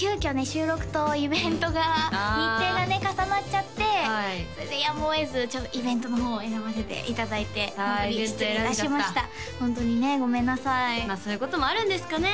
収録とイベントが日程がね重なっちゃってそれでやむをえずちょっとイベントの方を選ばせていただいて大変失礼いたしましたホントにねごめんなさいそういうこともあるんですかね？